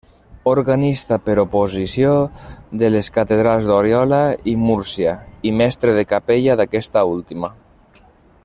Organista per oposició, de les catedrals d'Oriola i Múrcia, i mestre de capella d'aquesta última.